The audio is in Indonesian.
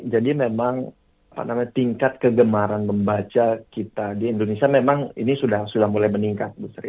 jadi memang tingkat kegemaran membaca kita di indonesia memang ini sudah mulai meningkat bu sri